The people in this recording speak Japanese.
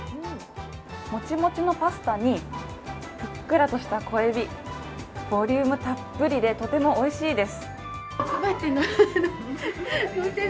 もちもちのパスタにふっくらとした小えび、ボリュームたっぷりでとてもおいしいです。